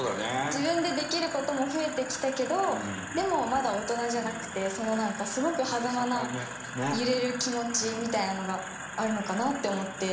自分でできる事も増えてきたけどでもまだ大人じゃなくてそのすごくはざまな揺れる気持ちみたいなのがあるのかなって思って。